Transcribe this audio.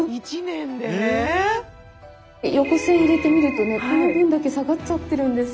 横線入れてみるとねこの分だけ下がっちゃってるんです。